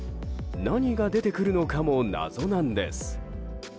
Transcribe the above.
何が出てくるのかも謎なんです。